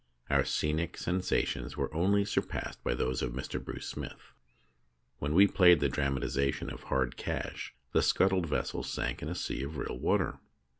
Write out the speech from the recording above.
Our scenic sensa tions were only surpassed by those of Mr. Bruce Smith. When we played a drama tisation of " Hard Cash," the scuttled vessel sank in a sea of real water.